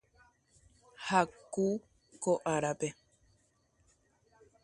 Hace calor hoy.